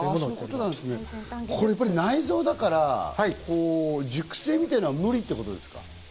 内臓だから、熟成みたいなのは無理ってことですか？